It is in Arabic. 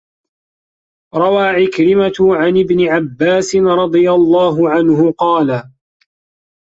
رَوَى عِكْرِمَةُ عَنْ ابْنِ عَبَّاسٍ رَضِيَ اللَّهُ عَنْهُ قَالَ